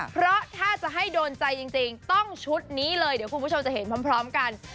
เพราะถ้าจะให้โดนใจจริงต้องชุดนี้เลยเดี๋ยวคุณผู้ชมจะเห็นพร้อมกัน